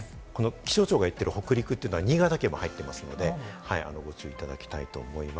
気象庁が言っている北陸は新潟県も入ってますので、ご注意いただきたいと思います。